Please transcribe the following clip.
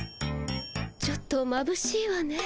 ちょっとまぶしいわね。